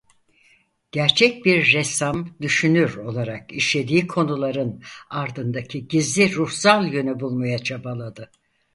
Gerçek bir ressam-düşünür olarak işlediği konuların ardındaki gizli ruhsal yönü bulmaya çabaladı.